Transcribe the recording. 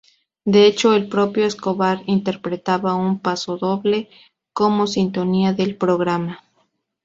De hecho, el propio Escobar interpretaba un pasodoble como sintonía del programa.